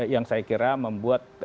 yang saya kira membuat